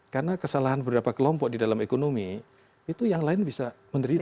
karena kesalahan beberapa kelompok di dalam ekonomi itu yang lain bisa menderita